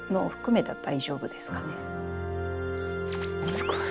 すごい。